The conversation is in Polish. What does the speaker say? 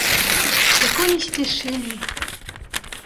"Jak oni się cieszyli!"